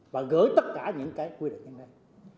và gửi tất cả những cái quy định